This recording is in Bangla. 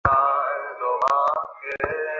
আমরা জানি না, কালকে কী অপেক্ষা করছে।